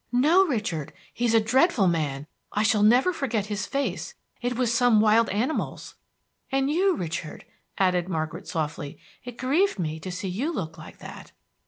"No, Richard, he's a dreadful man. I shall never forget his face, it was some wild animal's. And you, Richard," added Margaret softly, "it grieved me to see you look like that."